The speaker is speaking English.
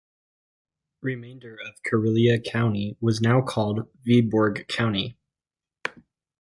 Remainder of Karelia County was now called Viborg County.